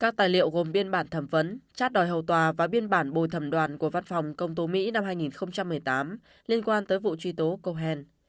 các tài liệu gồm biên bản thẩm vấn chát đòi hầu tòa và biên bản bồi thẩm đoàn của văn phòng công tố mỹ năm hai nghìn một mươi tám liên quan tới vụ truy tố câu hen